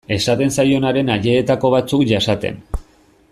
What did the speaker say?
Esaten zaionaren ajeetako batzuk jasaten.